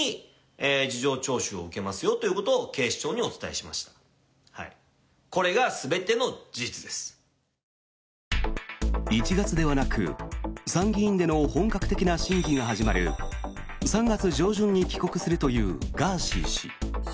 しかし、昨日ＳＮＳのライブ配信では。１月ではなく参議院での本格的な審議が始まる３月上旬に帰国するというガーシー氏。